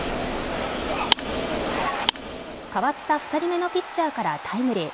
代わった２人目のピッチャーからタイムリー。